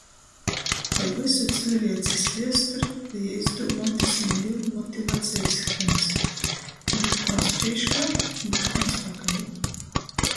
Pa vysu ciļviecis viesturi beja izdūmuotys viņ div motivacejis shemys... Burkuons prīškā, burkuons pakalī!